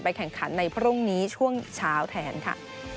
แข่งขันในพรุ่งนี้ช่วงเช้าแทนค่ะ